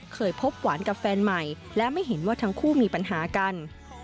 เคยพบหวานกับแฟนใหม่และไม่เห็นว่าทั้งคู่มีปัญหากัน